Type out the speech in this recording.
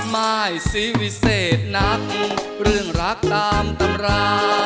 มายสีวิเศษนักเรื่องรักตามตำรา